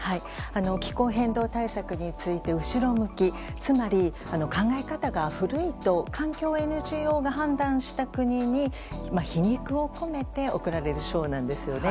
気候変動対策について後ろ向きつまり、考え方が古いと環境ＮＧＯが判断した国に皮肉を込めて贈られる賞なんですよね。